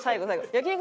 焼肉